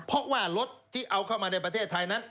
เพราะว่ารถที่เอาเข้ามาในประเทศไทยนั้น